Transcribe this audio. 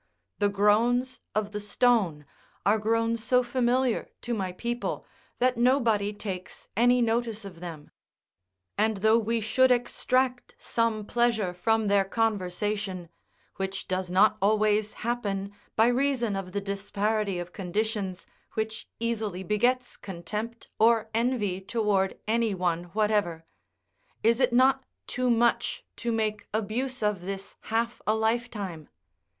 The groans of the stone are grown so familiar to my people, that nobody takes any notice of them. And though we should extract some pleasure from their conversation (which does not always happen, by reason of the disparity of conditions, which easily begets contempt or envy toward any one whatever), is it not too much to make abuse of this half a lifetime?